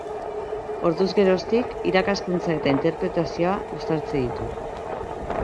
Orduz geroztik, irakaskuntza eta interpretazioa uztartzen ditu.